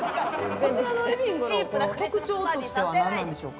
こちらのリビングの特徴としては何なんでしょうか？